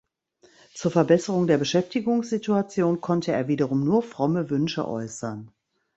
Zur Verbesserung der Beschäftigungssituation konnte er wiederum nur fromme Wünsche äußern.